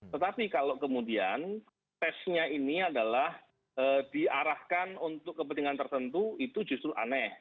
tetapi kalau kemudian tesnya ini adalah diarahkan untuk kepentingan tertentu itu justru aneh